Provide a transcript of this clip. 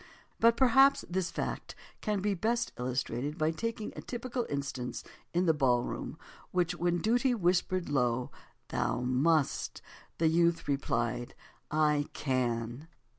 But perhaps this fact can best be illustrated by taking a typical instance in the ballroom in which "When duty whispered low 'Thou must,' the youth replied 'I can.